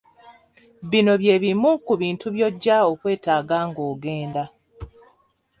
Bino bye bimu ku bintu by'ojja okwetaaga ng'ogenda